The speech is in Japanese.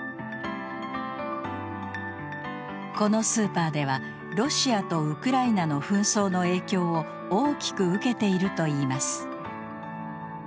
このスーパーではロシアとウクライナの紛争の影響を大きく受けているといいます。